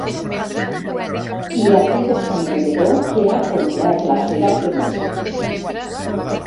I a fe de sant bevedor que ha complert la seva promesa.